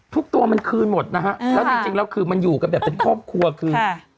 ตัวมันคืนหมดนะฮะแล้วจริงแล้วคือมันอยู่กันแบบเป็นครอบครัวคือ